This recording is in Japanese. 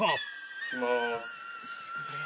いきます！